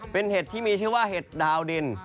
เป็นเห็นที่เรียกว่าเห็ดดาวดิน